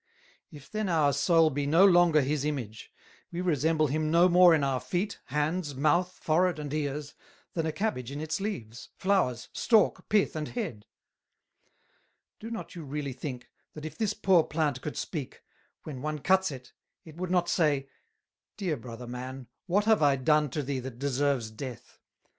If then our Soul be no longer his Image, we resemble him no more in our Feet, Hands, Mouth, Forehead and Ears, than a Cabbage in its Leaves, Flowers, Stalk, Pith, and Head: Do not you really think, that if this poor Plant could speak, when one cuts it, it would not say, 'Dear Brother Man, what have I done to thee that deserves Death?